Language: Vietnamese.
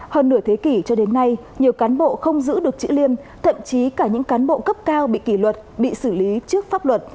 hơn nửa thế kỷ cho đến nay nhiều cán bộ không giữ được chữ liêm thậm chí cả những cán bộ cấp cao bị kỷ luật bị xử lý trước pháp luật